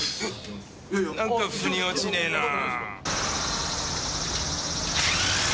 なんか腑に落ちねえなぁ。